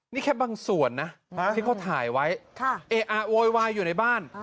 นี่แค่บางส่วนนะที่เขาถ่ายไว้โวยวายอยู่ในบ้าน